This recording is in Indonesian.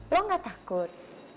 lo gak takut